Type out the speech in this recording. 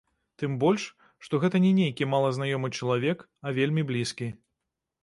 Тым больш, што гэта не нейкі малазнаёмы чалавек, а вельмі блізкі.